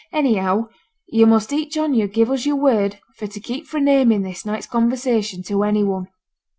Anyhow yo' must each on yo' give us yo'r word for to keep fra' naming this night's conversation to any one.